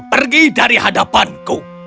pergi dari hadapanku